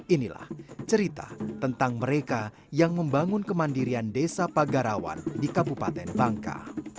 inilah cerita tentang mereka yang membangun kemandirian desa pagarawan di kabupaten bangka